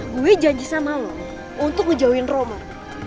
gue janji sama lo untuk ngejauhin roman